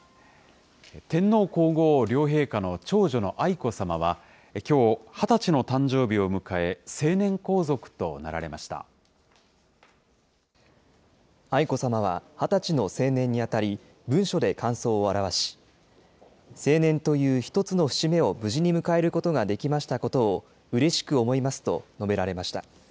天皇皇后両陛下の長女の愛子さまは、きょう、２０歳の誕生日を迎愛子さまは、２０歳の成年にあたり、文書で感想を表し、成年という一つの節目を無事に迎えることができましたことをうれしく思いますと述べられました。